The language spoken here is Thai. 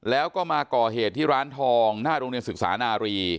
แล้วก็มาก่อเหตุที่ร้านทองหน้าโรงเรียนศึกษานารี